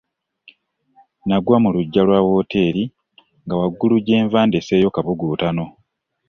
Nagwa mu lujja lwa wooteeri nga waggulu gye nva ndeseeyo kabuguutaano.